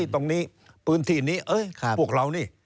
ตรงนี้พื้นที่นี้พวกเรานี่